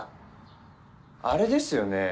あれですよね